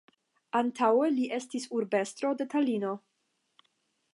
Antaŭe li estis urbestro de Talino.